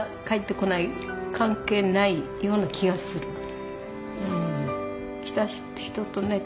帰ってこない関係ないような気がする。